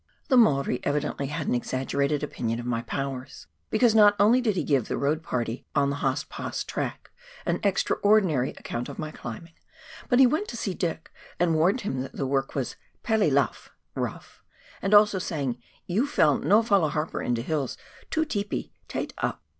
The Maori evidently had an exaggerated opinion of my powers, because not only did he give the road party on the Haast Pass track, an extraordinary account of my climbing, but he went to see Dick, and warned him that the work was "pery lough" (rough), also saying, "You fell' no follow Harper in de hills, too 'teepy, taight up."